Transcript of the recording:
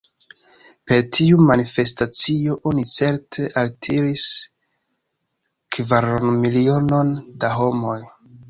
Per tiu manifestacio oni certe altiris kvaronmilionon da homoj.